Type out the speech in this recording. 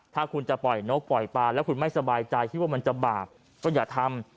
ถ้าคุณจะปล่อยนกปล่อยปลาแล้วคุณไม่สบายใจคิดว่ามันจะบาปก็อย่าทำ